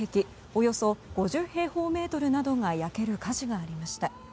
およそ５０平方メートルなどが焼ける火事がありました。